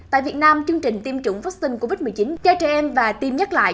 tại việt nam chương trình tiêm chủng vaccine covid một mươi chín cho trẻ em và tiêm nhắc lại